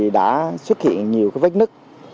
đã xuất hiện nhiều vách nứt